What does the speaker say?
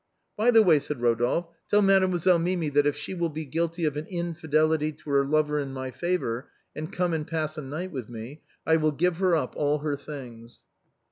" By the way," said Eodolphe, " tell Mademoiselle Mimi that if she will be guilty of an infidelity to her lover in my favor, and come and pass a night with me, I will give her up all her things."